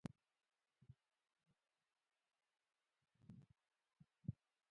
روزل شوي وګړي په پرمختیايي هېوادونو کې کم دي.